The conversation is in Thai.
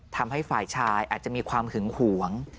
ทำให้ฝ่ายชายอาจจะมีความหึงหวง